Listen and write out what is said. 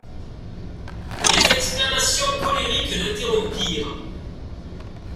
Des exclamations colériques l'interrompirent.